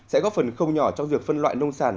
sẽ góp phần không nhỏ trong việc phân loại nông sản